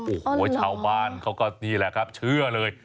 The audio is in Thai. โอ้โหชาวบ้านเขาก็นี่แหละครับเชื่อเลย